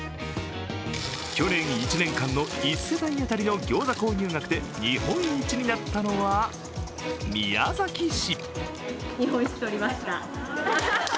去年１年間の１世帯当たりのギョーザ購入額で日本一になったのは宮崎市。